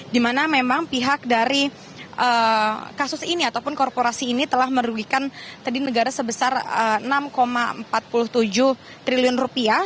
dimana memang pihak dari kasus ini ataupun korporasi ini telah merugikan tadi negara sebesar enam empat puluh tujuh triliun rupiah